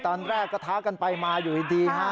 ตอนแรกก็ท้ากันไปมาอยู่ดีฮะ